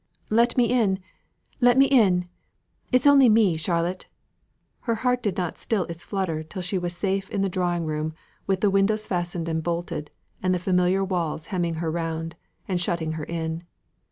"Let me in! Let me in! It is only me, Charlotte!" Her heart did not still its fluttering till she was safe in the drawing room, with the windows fastened and bolted, and the familiar walls hemming her round, and shutting her in.